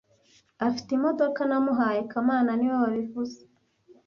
Afite imodoka namuhaye kamana niwe wabivuze